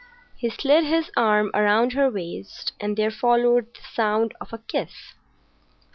He slid his arm round her waist, and there followed the sound of a kiss.